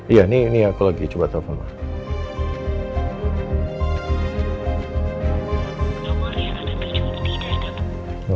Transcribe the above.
iya ini aku lagi coba telepon pak